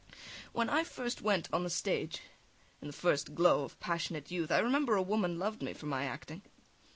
SVIETLOVIDOFF. When I first went on the stage, in the first glow of passionate youth, I remember a woman loved me for my acting.